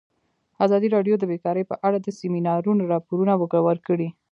ازادي راډیو د بیکاري په اړه د سیمینارونو راپورونه ورکړي.